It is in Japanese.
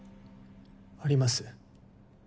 あります。